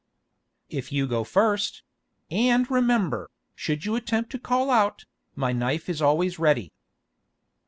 "If you go first; and remember, should you attempt to call out, my knife is always ready."